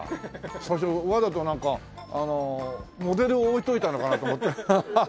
最初わざとなんかモデルを置いといたのかなと思ってハハハッ。